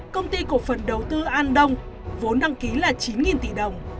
công ty cổ phần đầu tư an đông vốn đăng ký là chín tỷ đồng